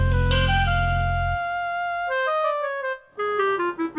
tidak ada yang bisa menggambarkan